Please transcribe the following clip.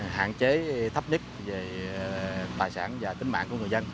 hạn chế thấp nhất về tài sản và tính mạng của người dân